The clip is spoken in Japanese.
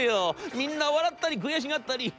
みんな笑ったり悔しがったり。